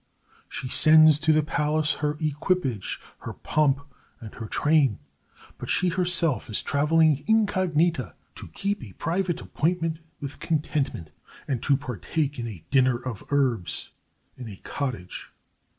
She sends to the palace her equipage, her pomp, and her train, but she herself is traveling incognita to keep a private appointment with contentment, and to partake of a dinner of herbs in a cottage.